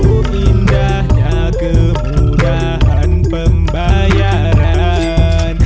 indahnya kemudahan pembayaran